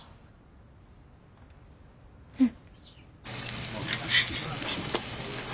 うん。